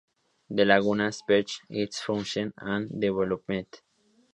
De Laguna, Speech, Its Function and Development.